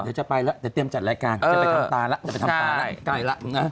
เดี๋ยวจะไปแล้วเดี๋ยวเตรียมจัดรายการจะไปทำตาละ